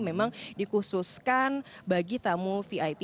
memang dikhususkan bagi tamu vip